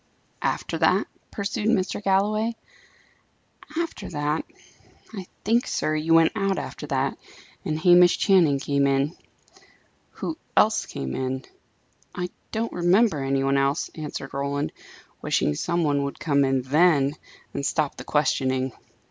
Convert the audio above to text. "After that?" pursued Mr. Galloway. "After that? I think, sir, you went out after that, and Hamish Channing came in." "Who else came in?" "I don't remember any one else," answered Roland, wishing some one would come in then, and stop the questioning.